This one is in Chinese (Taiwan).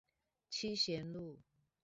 七賢路